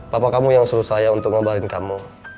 papa kamu yang suruh saya untuk ngebarin kamu